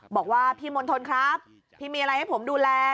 บอกว่าพี่มณฑลครับพี่มีอะไรให้ผมดูแล